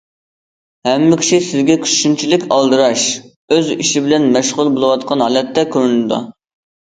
ھەممە كىشى سىزگە شۇنچىلىك ئالدىراش، ئۆز ئىشى بىلەن مەشغۇل بولۇۋاتقان ھالەتتە كۆرۈنىدۇ.